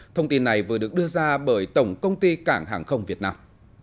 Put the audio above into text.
thông tin này vừa được đưa ra bởi tổng công ty cảng hàng không việt nam